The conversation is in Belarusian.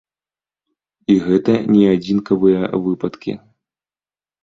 І гэта не адзінкавыя выпадкі.